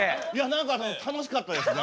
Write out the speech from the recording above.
何かね楽しかったですね。